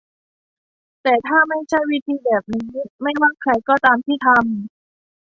แต่ถ้าไม่ใช่ วิธีแบบนี้ ไม่ว่าใครก็ตามที่ทำ